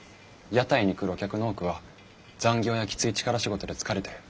屋台に来るお客の多くは残業やきつい力仕事で疲れてる。